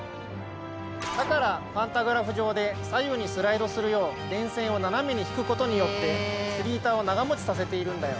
だからパンタグラフ上で左右にスライドするよう電線を斜めに引くことによってスリ板を長もちさせているんだよ。